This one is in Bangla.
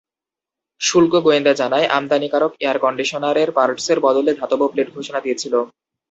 শুল্ক গোয়েন্দা জানায়, আমদানিকারক এয়ারকন্ডিশনারের পার্টসের বদলে ধাতব প্লেট ঘোষণা দিয়েছিল।